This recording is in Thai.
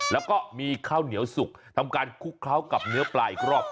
แล้วก็มีข้าวเหนียวสุกทำการคลุกเคล้ากับเนื้อปลาอีกรอบ